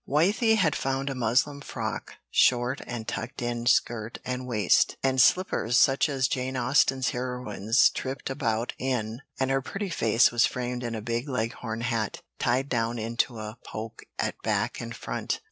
Wythie had found a muslin frock, short and tucked in skirt and waist, and slippers such as Jane Austen's heroines tripped about in, and her pretty face was framed in a big leghorn hat, tied down into a poke at back and front.